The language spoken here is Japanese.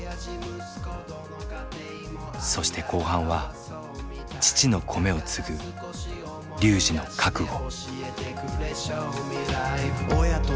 そして後半は父の米を継ぐ龍司の覚悟。